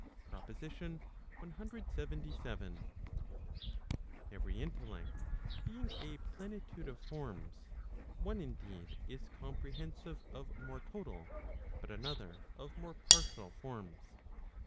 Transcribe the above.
PROPOSITION CLXXVII. Every intellect being a plenitude of forms, one indeed, is comprehensive of more total, but another of more partial forms.